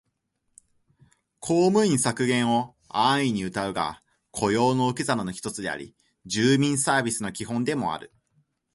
公務員削減を安易にうたうが、雇用の受け皿の一つであり、住民サービスの基本でもある